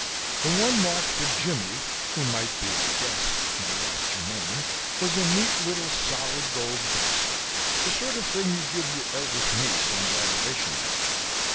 The one marked for "Jimmie" who might be, I guessed, my wife Germaine was a neat little solid gold bracelet, the sort of thing you give your eldest niece on graduation day.